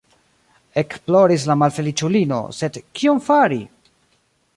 Ekploris la malfeliĉulino, sed kion fari?